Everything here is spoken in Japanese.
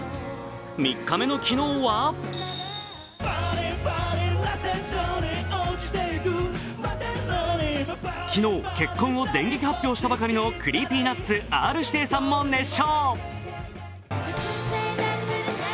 ３日目の昨日は昨日、結婚を電撃発表したばかりのＣｒｅｅｐｙＮｕｔｓ・Ｒ−指定さんも熱唱。